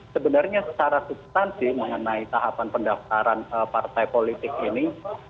sebenarnya secara substansi mengenai tahapan pendaftaran partai politik ini